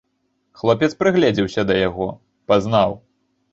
Хлопец прыгледзеўся да яго, пазнаў.